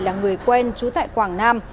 là người quen trú tại quảng nam